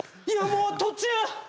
今もう途中。